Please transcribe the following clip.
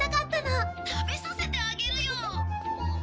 「食べさせてあげるよ」